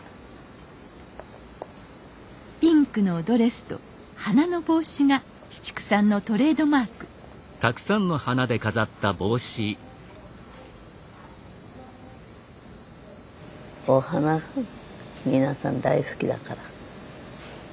ピンクのドレスと花の帽子が紫竹さんのトレードマークお花皆さん大好きだから。